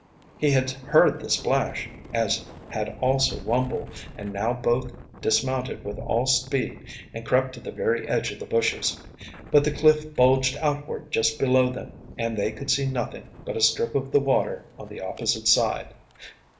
He had heard the splash, as had also Wumble, and now both dismounted with all speed and crept to the very edge of the bushes. But the cliff bulged outward just below them and they could see nothing but a strip of the water on the opposite side.